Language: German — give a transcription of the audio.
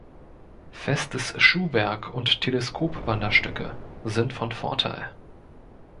Festes Schuhwerk und Teleskop-Wanderstöcke sind von Vorteil.